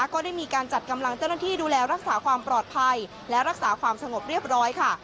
ก็ได้มีการจัดกำลังเจ้าหน้าที่ดูแลรักษาความปลอดภัยและรักษาความสงบเรียบร้อยค่ะ